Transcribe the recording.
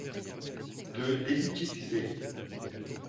De débudgétiser.